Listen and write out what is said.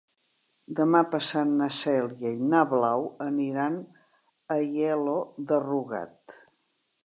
Demà passat na Cèlia i na Blau aniran a Aielo de Rugat.